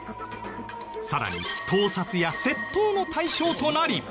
さらに盗撮や窃盗の対象となり。